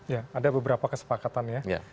ya ada beberapa kesepakatan ya